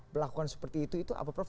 melakukan seperti itu itu apa prof